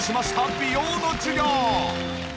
美容の授業。